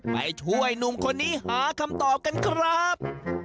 ไปช่วยหนุ่มคนนี้หาคำตอบกันครับ